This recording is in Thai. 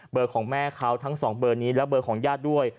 ของแม่เขาทั้ง๒เบอร์นี้และเบอร์ของญาติด้วย